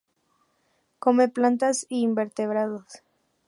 Come plantas y invertebrados.